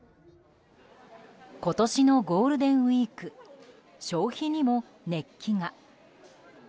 今年のゴールデンウィーク消費にも熱気が。